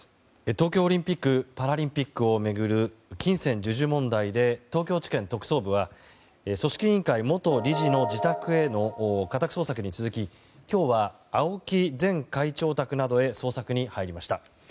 東京オリンピック・パラリンピックを巡る金銭授受問題で東京地検特捜部は組織委員会元理事の自宅への家宅捜索に続き今日は青木前会長宅などへ捜索に入りました。